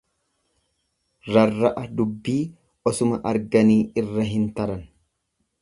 Rarra'a dubbii osuma arganii irra hin taran.